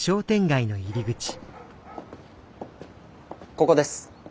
ここです。